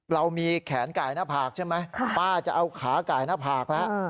เรามีแขนไก่หน้าผากใช่ไหมป้าจะเอาขาไก่หน้าผากแล้ว